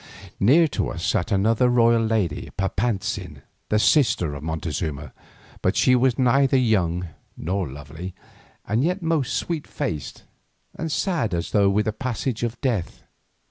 Near to us sat another royal lady, Papantzin, the sister of Montezuma, but she was neither young nor lovely, and yet most sweet faced and sad as though with the presage of death.